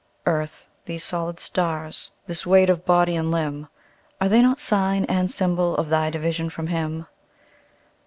Earth, these solid stars, this weight of body and limb, Are they not sign and symbol of thy division from Him?